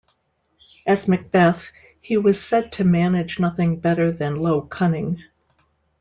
As Macbeth, he was said to manage nothing better than low cunning.